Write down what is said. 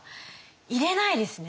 いれないですね